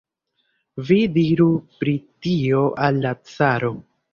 Vi diru pri tio al la caro!